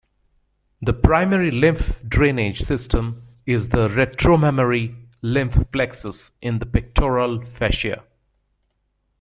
The primary lymph drainage system is the retromammary lymph plexus in the pectoral fascia.